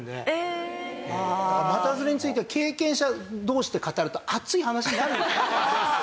股ずれについては経験者同士で語ると熱い話になるんですよ。